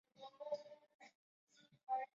曾是任天堂公司内部最大的一个分部门。